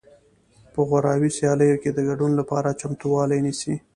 په غوراوي سیالیو کې د ګډون لپاره چمتووالی نیسي